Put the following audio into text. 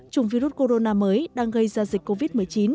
chủng virus corona mới đang gây ra dịch covid một mươi chín